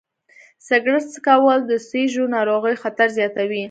سګرټ څکول د سږو ناروغیو خطر زیاتوي.